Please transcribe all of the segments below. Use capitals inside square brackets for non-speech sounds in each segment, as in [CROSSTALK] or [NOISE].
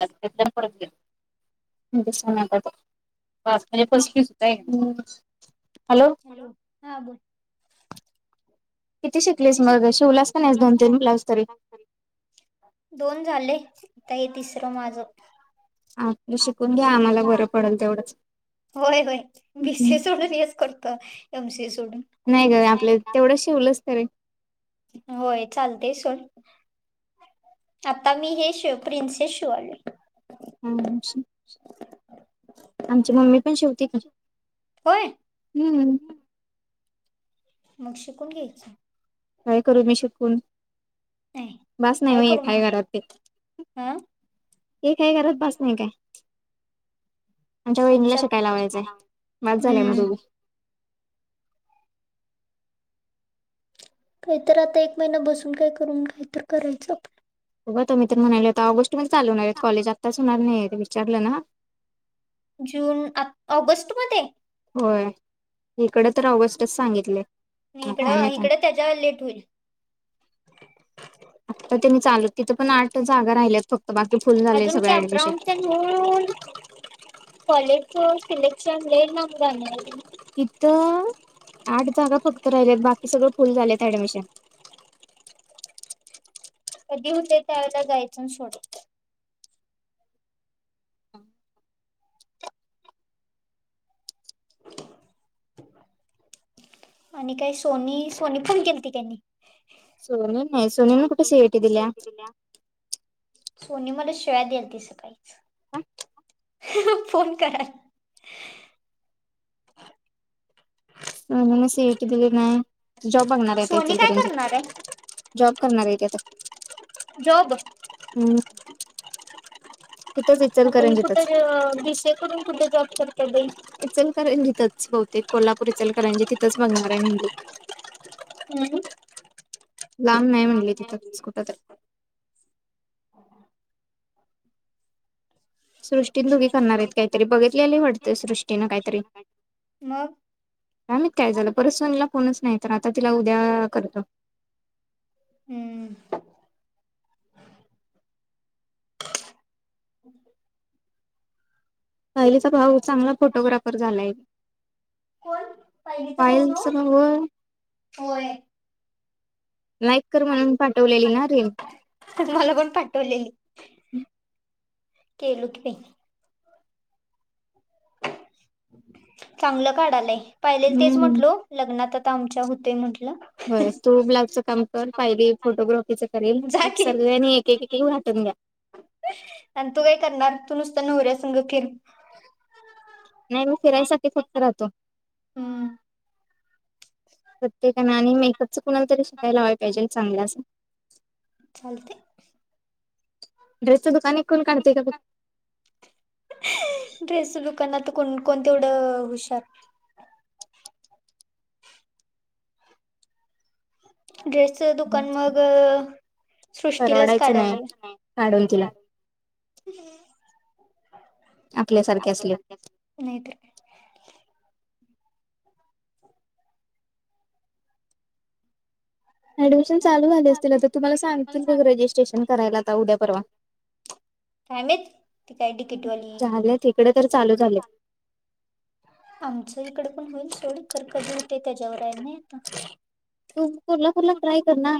[UNINTELLIGIBLE] सणाबद्द बासुंदी फसली सुद्धा एक हॅलो. हा बोल. किती शिकलीस मग शिवलास का नाहीस शिवल्यास दोन काय नाही तीन ब्लाऊज दोन तरी, दोन झालंय. आता हे तिसरं माझं. आपलं शिकून घ्या आम्हाला बरं पडेल तेवढंच होय होय भीसे सोडून हेच कर तर एम सी एस नाही ग आपल तेवढंच शिवलंस तरी. होय चालते सोड आता मी हे शिव प्रिन्सेस शिवालोय. हा. आमची मम्मी पण शेवती का? होय हम्म. मग शिकून घ्यायच. काय करू मी शिकून? नाही बास नाही काय व्हय करू एक हाय मग घरात ते हा एक आहे घरात बास नाही काय? आमच्या वहिनीला आमच्यात शिकायला लावायचं आहे. माझं झालंय मग हम्म दोघी. काहीतर आता एक महिना बसून काय करून काहीत करायचंत. बघ तो मी तर म्हणाला होता ऑगस्ट मध्ये चालूणार कॉलेज आत्ताच होणार नाहीत विचारलं ना? जून आ ऑगस्ट मध्ये? होय इकडं तर ऑगस्टच सांगितलय. इकडं इकडं त्याच्यावर लेट होईल. आत्ता त्यांनी चालू तिथं पण आठच जागा राहिल्यात फ अजून ते एप्रोन ते घेऊन कॉलेज त सिलेक्शन लय लांब गाण हाय ते. इथं आठ जागा फक्त राहिल्यात बाकी सगळं फुल झाल्यात ऍडमिशन. कधी होते त्यावेळेला जायच सोड. आणि काय सोनी सोनी फोन केली ती काय नाही. सोनु नाही सोनु न कुठ सोनी मला सीईटी कशी दिल्या? येते सोनी मला शिळ्या द्याल ती सकाळीच. आ. अहं फोन कर. सोनी न सीईटी दिली नाही. जॉब बगणार आहे हित सोनी काय करणार आहे इचलकरंजीत जॉब करणार ती आता. जॉब हम्म. तिथंच आता हि कुठं इचलकरंजीतच अ बीसीए करून कुठे जॉब करते बाई? इचलकरंजीतच बहुतेक कोल्हापूरी-इचलकरंजी तिथंच बघणार हाय म्हणली. हम्म. लांब नाही म्हणली तिथच कुठ तरी. सृष्टीन दोघी करणार आहेत, काहीतरी बघितलेलं वाटतं सृष्टीनं काहीतरी, मग काय माहित झालं परत सोनुला फोनच नाही तर आता तिला उद्या करतो. हम्म. [INAUDIBLE] पायलीचा भाऊ चांगला फोटोग्राफर झालाय. कोण? पायलीचा भाऊ पायलचा नव्ह, भाऊ होय. लाईक कर म्हणून पाठवलेली ना रील. मला पण पाठवलेली केलो की बाई. चांगलं काढालय. पायलीला तेच हम्म म्हटलो लग्नात आता.. आता आमच्या होतय म्हणल. होय तू ब्लावुजचं काम. कर पायली फोटोग्राफ ग्राफिच करेल जा की सगळ्यांनी एक, एक, एक वाटून द्या. आणि तू काय करणार तू नुसतं नवऱ्या संंग फिर. नाही मग फिरायसाठी फक्त राहतो. हम्म प्रत्येक आणि मेकअपच कुणा तरी शिकाय लावाय पाहिजे चांगलं असं. चालतंय. ड्रेस दुकान एक कोन काढतय काय बग. कणात कोन कोन तेवढ हुशार. ड्रेसच दुकान मग सृष्टीलाच परवडायचं काढाय नाही लावूया. काढून तिला आपल्यासारखे असले. नाहीतर ऍडमिशन चालू झाले असतील आता तुम्हाला सांगतील बघं रजिस्ट्रेशन करायला आता उद्या, परवा. काय माहित, ती काय डीकेटी वाली झालं तिकडे तर चालू झाले आमच इकडे पण होईल सोड खर कधी हुतय तेज्यावर हाय नई आता. तू कुर्ला कुर्ला ट्राय कर ना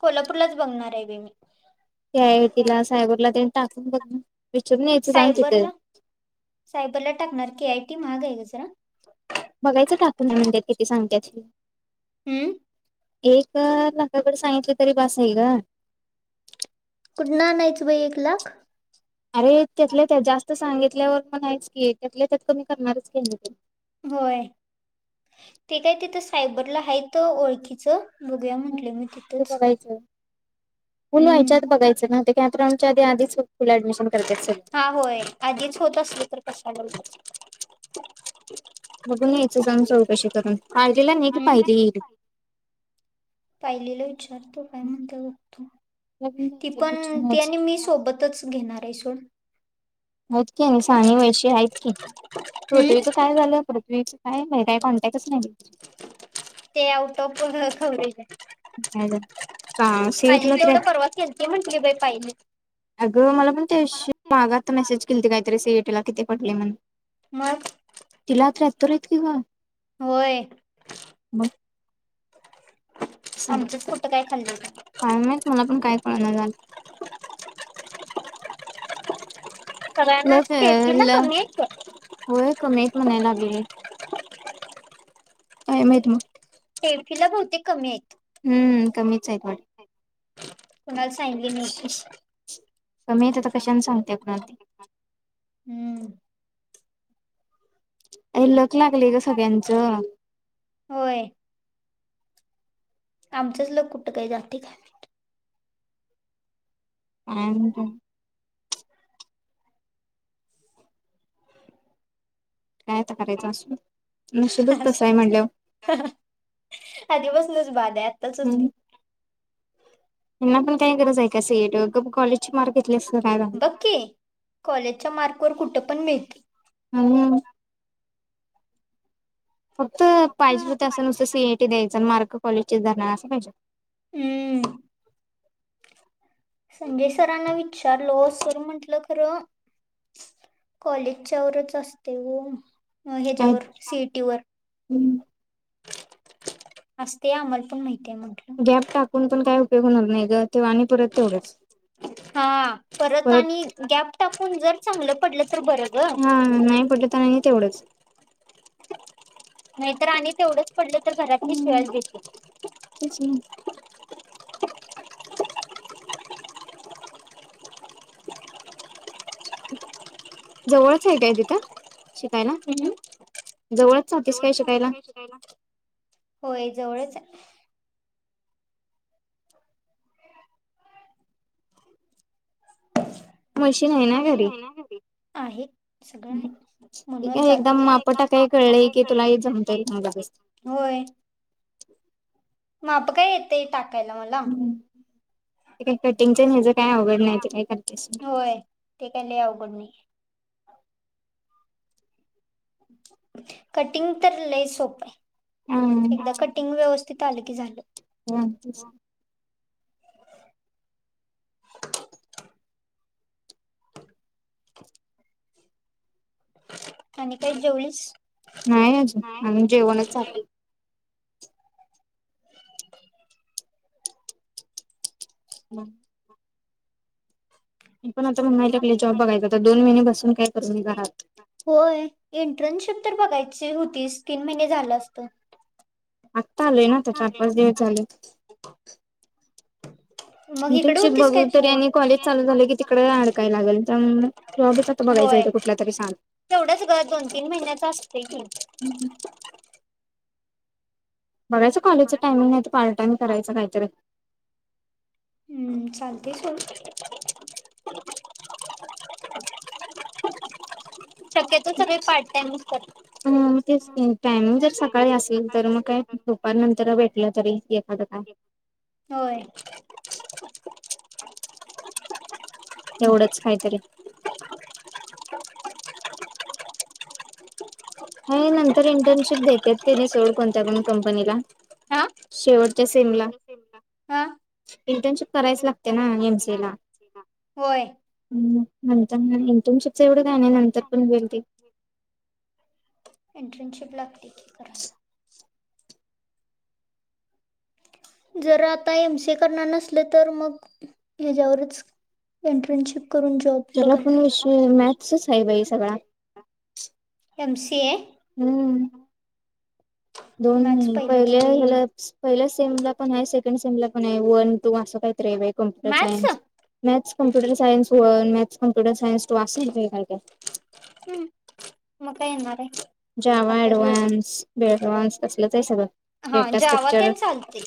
कोल्हापूरलाच बघणार आहे. [UNINTELLIGIBLE] त्या आय आय टी ला सायबरला तेन टाकून बघना. सायबरला सायबरला टाकणार केआयटी महाग हाय ग. जरा बघायचं टाकून काय म्हणात किती सांगते हे हम्म एक लाखाकडे सगित क तरी बास आहे गं कुठनं आणयचं बाई एक लाख? अरे त्यातल्या त्यात जास्त सांगितल्यावर म्हणायचं की त्यातल त्यात कमी करणारच की नाही तो होय ते काय तिथं सायबरला हायत ओळखीचं बघूया म्हंटले मी ते तिथंच बघायचं पुर्ण हेच्यात हम्म बघायचं ना ते काय च्या बी आधीच हो हा होय आधीच होत असल तर कशाला उगाच बघून यायचं सांग चौकशी करून [UNINTELLIGIBLE] पाहिलेले विचार तो काय म्हणतोय बघतो ती पण ती विचारूनच आणि मी सोबतच घेणार आहे सोड माहीत कि आणि साणी वैशी हाईतं कि हम्म पृथ्वीचं काय झालं पृथ्वीच काय माहित काय कॉन्टॅक्टचं नाही बाई ते आउट ऑफ पूर्ण कवरेज आहे [UNINTELLIGIBLE] हा सी ई टी पाहिलेल तर तेवढं परवा केलती म्हटली बाई पाहिली अगं मला पण त्या दिवशी मागं आता मेसेज केलंती काहीतरी सी ई टी तुला किती पडले म्हणं मग ते तिला त्र्याहत्तरं हाईत की गं, होय मग आमचंच कुटं काय खाल्लं होतं. काळ नाहीत मला पण काय कळणा [UNINTELLIGIBLE] सगळ्यांना लग स्टेफीला ल कमी आहेत ग होय कमी म्हणायं लागली काय माहित मग तेडकीला बहुतेक कमी आहेत हम्म कमीचं आहे वाटतं. [UNINTELLIGIBLE] कुणाला सांगितली नाही कमी आहेत आता कशानं सांगते कोणाला ते हम्म. अ लकं लागलंय गं सगळ्याचं होय आमचंच लक कुठं काय जातयं काय माहित काय माहिती काय आता करायचं असो नशीबचं तसं आहे म्हणाल्यावर चं बाद आत्ताचंच नाही यांना पण काही गरज आहे का सी एस टी वर गप्प कॉलेजची मार्क्स बघ कि कॉलेजच्या मार्कवर कुठं पण मिळतंय हम् फक्त पाहिजे होतं असं नुसतं सीएयटी द्यायचं आणि मार्क कॉलेजचं धरणार असं पाहिज हम्म संजय सरांना विचारलो सर म्हंटलं खरं कॉलेजच्या वर असतयं गं काय हेच्यावर सिएटी वर असते आम्हाला पण माहिती आहे म्हटलं गॅप टाकून पण काय उप योग होणार नाही ग! तेव्हा आणि परत तेवढंच हा परत आणि गॅप टाक कुण जर चांगल पडल हा नाही पटलं तर नाही आणि तेवढंच. नाहीतर आणि तेवढंच पडल तर घरातली हम्म शिव्याच देतील. तेच ना जवळच आहे काय तिथं शिकायला, जवळच जातेस काय शिकायला? होय जवळच आहे. मशीन आहे ना मशीन घरी आहे ना घरी सगळं आहे ठीक म्हणच आहे एकदम जातोय एकदा मापटा काही माप कळलंय टाकायला की तुला कळलं कि जमता येईल काही मला होय. माप काय येतय टाकता काही कटिंगच ह्याच काही आवघड नाही ते काही करतेस. होय ते काय आवघड नाहीये? कटिंग तर लय सोपय! हा एकदा कटिंग व्यवस्थित ते आलं की झालं. [INAUDIBLE] [INAUDIBLE] आणि काय जेवलीस? नाही अजून, अजून जेवणच चाललंय [INAUDIBLE] मी पण आता म्हणायला लागले जॉब बघायचा तर दोन महिनेबसून काय कस घरात होय एंट्रनशीप तर बघायची होतीस तीन महिने झालं असत.. आ चालूय ना आता चार पाच दिवस झालेट मग इकडे इंटर्नशिप होतीस बघू काय तू? तरी आणि कॉलेज चालू झालं की तिकडे अडकाय लागेल त्यामुळे जॉबच आता बघायचा होय, इथं कुठला तरी सांग तेवढंच ग दोन तीन महिन्याच असत की. बघायचं कॉलेजचं टायमिंग नाही तर पार्ट टाइम करायच काहीतरी. हम्म चालतंय सोड शक्यतो सगळे पार्ट टाईमच करतात. टाइमिंग जर सकाळी असेल तर मग काय दुपार नंतर भेटलं तरी एखादं काय. होय एवढंच काहीतरी. ह नंतर इंटर्नशिप देतेेत ते नी सोड कोणत्या कोण कंपनीला हा शेवटच्या सेमला हा इंटरशिप करायच लागते ना एमसी ला होय नंतर इथम शच एवढं नाही नाही नंतर पण होईल ते इंटर्नशिप लागते की करायला. जर आता एम सी ए करणार नसले तर मग हच्यावरच इंटर्नशिप. करून जॉब चला बघायला पण विश पाहिजे. मॅथच आहे बाई सगळा. एम सी हाय हम्म दोन मॅथ्स पहिलंच पहिल्या लई हला पहिल्या सेम ला. पण आहे सेकंड सेमला पण आहे वन तू असं काही. Computer maths science maths computer science हो मॅक्स कम्प्युटर सायन्स तू असे का का हम्म, मग काय येणार रे ज्यावा ऍडव्हान्स बेडव्ह्स अससलच आहे सगळं हा जावा डेटास्ट्रक्चर तेन चालतंय.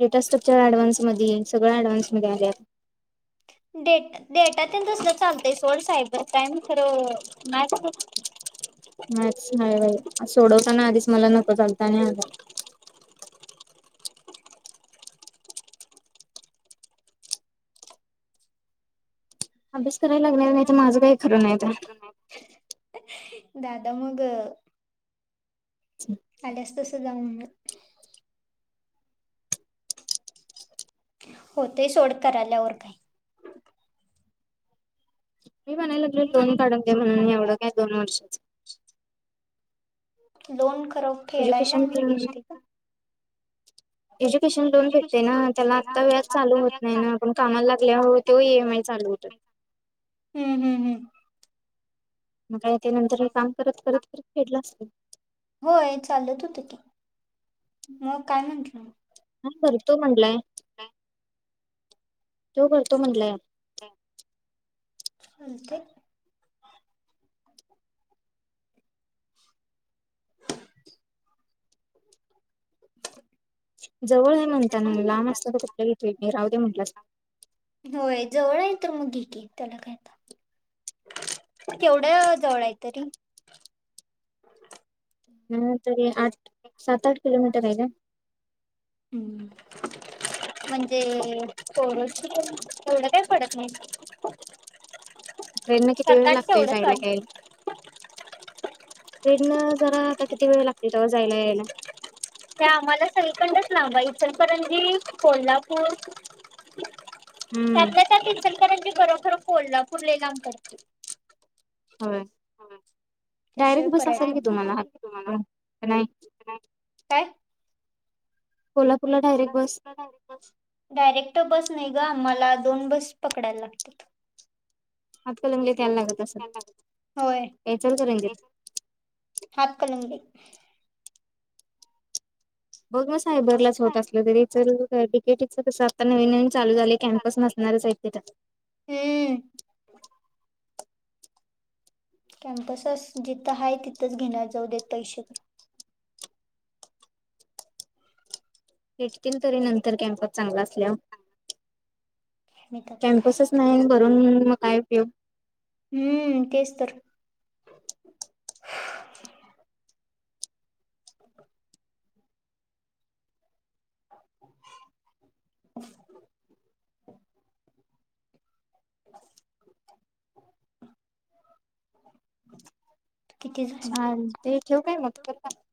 डेटस् ॲॅडव्हान्स म सगळ ॲडव्हान्स मध्ये आल्यात चलते थोड साईबर क्राम फर म त. मॅच सोडवताना आधीच मला नकों झालता आणि आलं अभ्यास करायला लागणार नाही तर माझं काही खरं नाही तर. दादा मग ह [INAUDIBLE] आल्या्या तस अस म्हण होतय सोड क आल्यावर काय [INAUDIBLE] मी म्हणायला लागल लोन काढून दे म्हणून. एवढं का दोन वर्षाच. लोन परत फेडायला एज्युकेशन आणि [UNINTELLIGIBLE] एज्युकेशन लोन भेटतय ना त्याला आत्ता व्याज चालू होत नाही ना आपण कामाला लागल्या तेव्हा ई एम आय चालू होतात. हम्म हम्म हम्म मग काय ते नंतर हे काम करत करत करत फेडलं असत. होय चालत होत की मग काय म्हटलं हा भरतो म म्हणलाय तो करतो म्हटलाय आणि काय [INAUDIBLE] जवळ हे म्हणता ना लांब असत तर कुठलं घेतलय मी रा ते म्हंटलस होय जवळ आहे त मग घे की त्याला काय आता केवढ जवळ हाय तरी [INAUDIBLE] हं तरी आठ सात-आठ किलोमीटर आहे का? हं म्हणजे पोरासनी एवढ काय पडत नाही. ट्रेन न किती वेळ सात आठ लागतोय तेवढं जायला चालतंय. यायला. ट्रेन न जरा आता किती वेळ लागतोय तव्हा जायला, यायला. ते आम्हाला सगळीकडनच लांब हाय इचलकरंजी, कोल्हापूर हम्म त्यातल्या त्यात इचल करंजी खरोखर कोल्हापूर लई लांब पडतंय. होय त्याशिवाय डायरेक्ट बस असेल पर्यटन की तुम्हाला का नाई. काय? डायरेक्ट बस कोल्हापूरला डायरेक्ट बस डायरेक्ट क्ट बस नाही ग आम्हाला दोन बस पकडायला लागतात. हातकलंगडे त यायला लागत असेल, होय काय इचलकरंजीत [INAUDIBLE] बघ ना सायबरलाच होत असलं तर [UNINTELLIGIBLE] डि, के, टी च कसं आता नवीन नवीन चालू झालय कॅम्पस नसणार साहित्य त्यात हम्म कॅम्पस अस जिथं हाय तिथंच घेणार जाऊ देत पैसे पण भेटतील तरी नंतर कॅम्पस चांगला असल्यावर मी तर आता काय कॅम्पसच नाही बरं [UNINTELLIGIBLE] काय उपयोग हूं तेच तर [INAUDIBLE] [INAUDIBLE] झालं छान ते ठेवू काय मग? [UNINTELLIGIBLE]